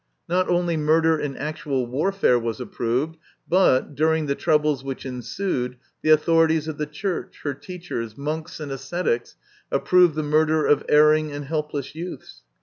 Not only murder in actual warfare was approved, but, during the troubles which ensued, the authorities of the Church, her teachers, monks, and ascetics, approved the murder of erring and helpless youths.